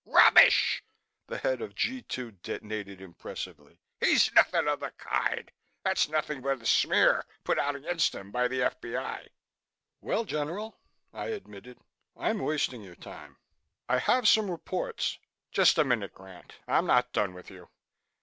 "Rubbish!" The head of G 2 detonated impressively. "He's nothing of the kind. That's nothing but a smear put out against him by the F.B.I." "Well, General," I admitted, "I'm wasting your time. I have some reports " "Just a minute, Grant. I'm not done with you.